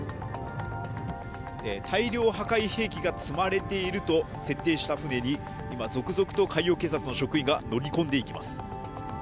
大量破壊兵器が積まれていると設定した船に今、続々と海洋警察の職員が乗り込んでいきます。